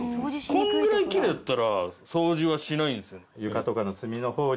こんくらいキレイだったら掃除はしないですよ。